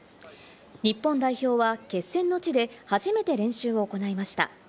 日本代表は決戦の地で初めて練習を行いました。